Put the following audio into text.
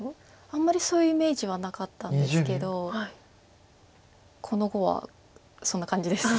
あんまりそういうイメージはなかったんですけどこの碁はそんな感じです。